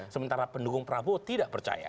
sementara pendukung prabowo tidak percaya